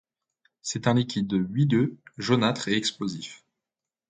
C'est un liquide huileux jaunâtre et explosif.